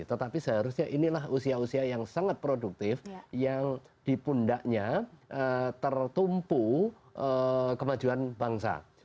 tetapi seharusnya inilah usia usia yang sangat produktif yang di pundaknya tertumpu kemajuan bangsa